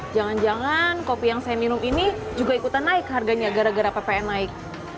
jangan jangan kopi yang saya minum ini juga ikutan naik harganya gara gara ppn naik